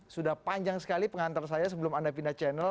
sudah panjang sekali pengantar saya sebelum anda pindah channel